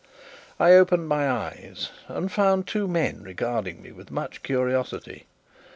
I opened my eyes, and found two men regarding me with much curiosity.